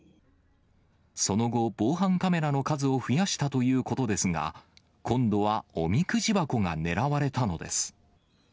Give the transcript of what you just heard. その後、防犯カメラの数を増やしたということですが、今度はおみくじ箱が狙われたのです。